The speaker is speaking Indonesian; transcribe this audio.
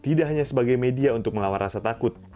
tidak hanya sebagai media untuk melawan rasa takut